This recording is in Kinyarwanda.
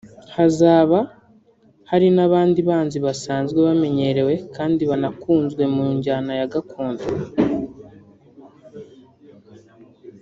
hazaba hari n’abandi banzi basanzwe bamenyerewe kandi banakunzwe mu njyana ya Gakondo